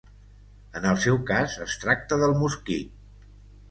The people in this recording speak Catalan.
En el seu cas es tracta del mosquit.